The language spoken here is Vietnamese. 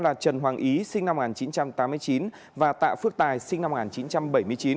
là trần hoàng ý sinh năm một nghìn chín trăm tám mươi chín và tạ phước tài sinh năm một nghìn chín trăm bảy mươi chín